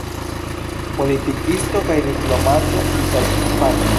Politikisto kaj diplomato ital-hispana.